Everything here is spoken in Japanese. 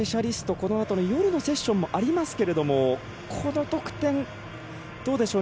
このあとの夜のセッションもありますけれどもこの得点、どうでしょう。